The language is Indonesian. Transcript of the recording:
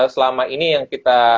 selama ini yang kita